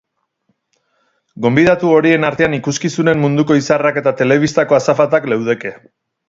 Gonbidatu horien artean ikuskizunen munduko izarrak eta telebistako azafatak leudeke.